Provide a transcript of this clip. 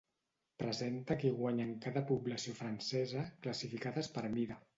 Presenta qui guanya en cada població francesa, classificades per mida.